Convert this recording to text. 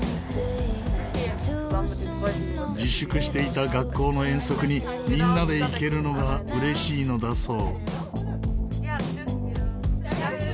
自粛していた学校の遠足にみんなで行けるのが嬉しいのだそう。